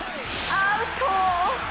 アウト！